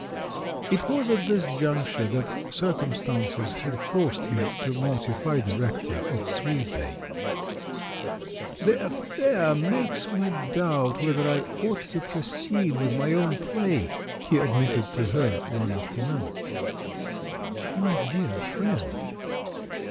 It was at this juncture that circumstances had forced him to mortify the rector of Sweetbay. "The affair makes me doubt whether I ought to proceed with my own play," he admitted to her one afternoon. "My dear friend!"